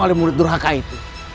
oleh murid durhaka itu